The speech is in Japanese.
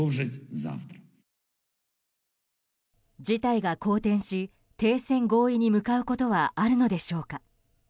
事態が好転し、停戦合意に向かうことはあるのでしょうか。